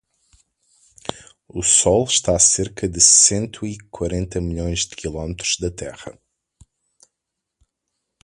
O Sol está a cerca de cento e quarenta milhões de quilómetros da Terra.